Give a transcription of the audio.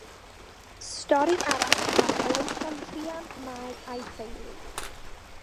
Stori arall am helyntion Rhian Mai a'i theulu.